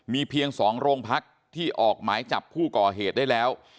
มีเพียง๒โรงพักที่ออกหมายจับผู้ก่อเหตุได้แล้ว